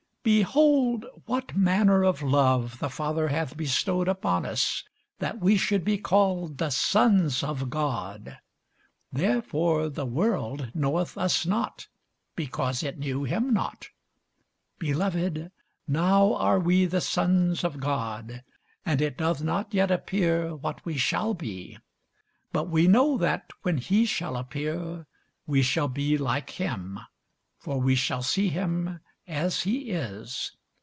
Behold, what manner of love the Father hath bestowed upon us, that we should be called the sons of God: therefore the world knoweth us not, because it knew him not. Beloved, now are we the sons of God, and it doth not yet appear what we shall be: but we know that, when he shall appear, we shall be like him; for we shall see him as he is.